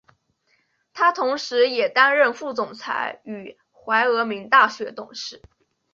他同时也担任副总裁与怀俄明大学董事。